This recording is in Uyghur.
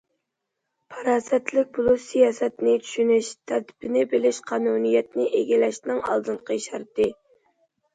پاراسەتلىك بولۇش سىياسەتنى چۈشىنىش، تەرتىپنى بىلىش، قانۇنىيەتنى ئىگىلەشنىڭ ئالدىنقى شەرتى.